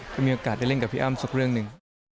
ก็มีโอกาสได้เล่นกับพี่อ้ำสักเรื่องหนึ่ง